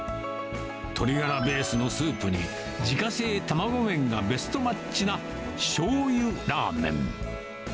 鶏がらベースのスープに自家製卵麺がベストマッチなしょうゆラーメン。